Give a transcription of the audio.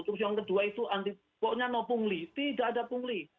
terus yang kedua itu anti pokoknya no pungli tidak ada pungli